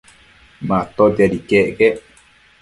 Matotiad iquec quec